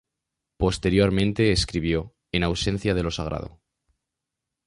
Posteriormente, escribió "En ausencia de lo sagrado.